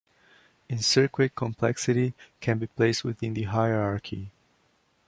In circuit complexity, can be placed within the hierarchy.